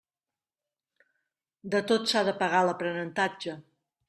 De tot s'ha de pagar l'aprenentatge.